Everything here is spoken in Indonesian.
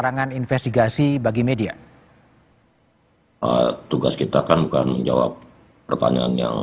dan apa yang singkatnya